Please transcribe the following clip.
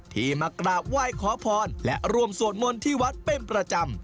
ที่มากราบไหว้ขอพรและร่วมสวดมนต์ที่วัดเป็นประจำ